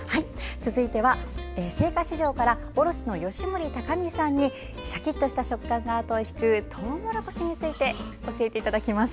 続いては、青果市場から卸の吉守隆美さんにシャキッとした食感があとを引くトウモロコシについて教えていただきます。